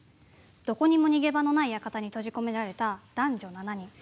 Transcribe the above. どこにも逃げ場のない館に閉じ込められた男女７人。